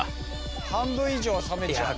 半分以上は冷めちゃう。